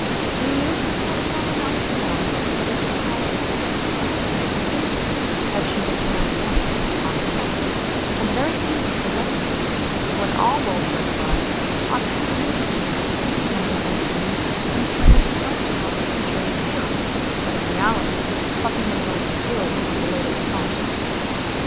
She knew her set well enough to know that it would cause something almost like a scandal if she were seen out alone, on foot, on the very eve of her wedding day, when all well bred brides ought to be invisible repenting their sins, and praying for blessings on the future in theory, but in reality, fussing themselves ill over belated finery.